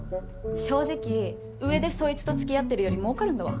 正直上でそいつと付き合ってるより儲かるんだわ。